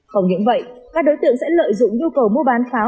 không những vậy các đối tượng sẽ lợi dụng nhu cầu mua bán pháo